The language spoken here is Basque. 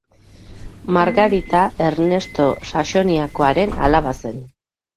Margarita Ernesto Saxoniakoaren alaba zen.